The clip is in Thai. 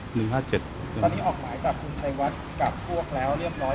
ตอนนี้ออกหมายจับคุณชัยวัดกับพวกแล้วเรียบร้อย